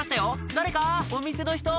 誰かお店の人！